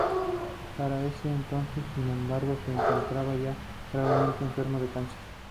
Para ese entonces, sin embargo, se encontraba ya gravemente enfermo de cáncer.